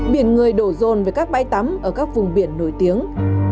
biển người đổ rồn với các bay tắm ở các vùng biển nổi tiếng